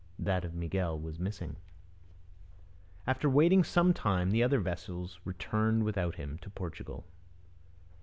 That of Miguel was missing. After waiting some time the other vessels returned without him to Portugal.